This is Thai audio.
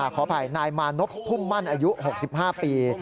ขออภัยนายมานพพุ่มมั่นอายุ๖๕ปี